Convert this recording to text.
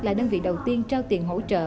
là đơn vị đầu tiên trao tiền hỗ trợ